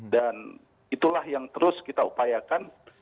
dan itulah yang terus kita upayakan